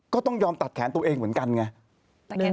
ก็ต้องยอมตัดแขนตัวเองเหมือนกันไง